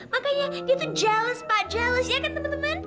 makanya dia tuh jeles pak jeles ya kan temen temen